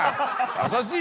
優しい！